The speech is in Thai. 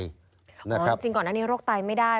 อ๋อจริงก่อนแล้วนี้โรคไตไม่ได้